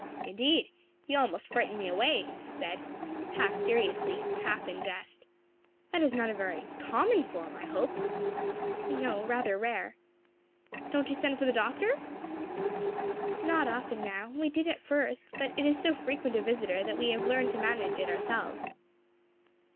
"Indeed! you almost frighten me away," he said half seriously, half in jest. "That is not a very common form, I hope?" "No, rather rare." "Don't you send for the doctor?" "Not often now; we did at first, but it is so frequent a visitor that we have learned to manage it ourselves."